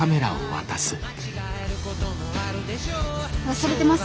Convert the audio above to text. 忘れてます